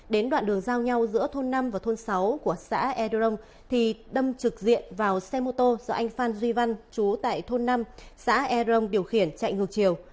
đến đoạn đường giao nhau giữa thôn năm và thôn sáu của xã erong thì đâm trực diện vào xe mô tô do anh phan duy văn chú tại thôn năm xã erong điều khiển chạy ngược chiều